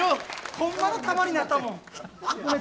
ほんまの玉になったもん。